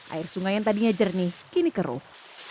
air sungai yang tadinya jernih kini keruh